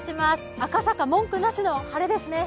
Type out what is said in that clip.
赤坂、文句なしの晴れですね。